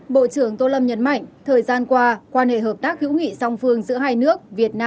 bộ trưởng tô lâm nhấn mạnh thời gian qua quan hệ hợp tác hữu nghị song phương giữa hai nước việt nam